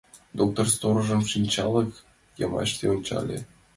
Доктор сторожым шинчалык йымачше ончале: